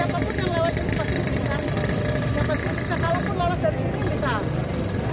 pemeriksaan yang berlaku di kota kota juga